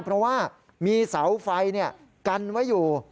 เพราะว่ามีเสาไฟกันไว้อยู่